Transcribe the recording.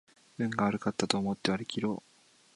運が悪かったと思って割りきろう